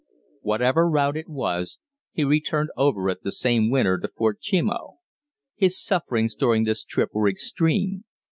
Whatever route it was, he returned over it the same winter to Fort Chimo. His sufferings during this trip were extreme.